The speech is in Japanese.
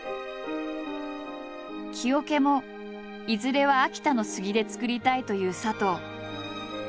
木桶もいずれは秋田の杉で作りたいという佐藤。